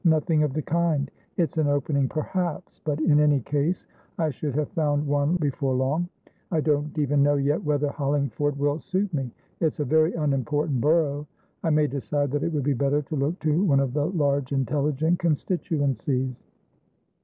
Nothing of the kind. It's an opening, perhaps; but in any case I should have found one before long. I don't even know yet whether Hollingford will suit me. It's a very unimportant borough; I may decide that it would be better to look to one of the large, intelligent constituencies.